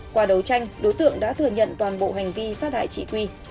qua đấu tranh đối tượng đã thừa nhận toàn bộ hành vi sát hại chị quy